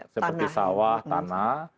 seperti sawah tanah